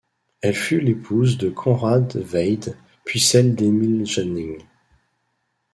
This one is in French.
Elle fut l'épouse de Conrad Veidt puis celle d'Emil Jannings.